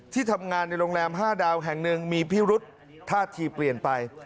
ที่ทำงานในโรงแรม๕ดาวแห่งหนึ่งมีพิรุษท่าทีเปลี่ยนไป